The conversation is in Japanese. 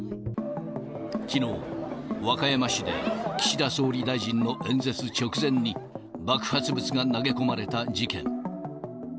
きのう、和歌山市で、岸田総理大臣の演説直前に、爆発物が投げ込まれた事件。